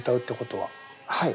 はい。